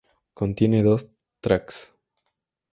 Contiene dos tracks.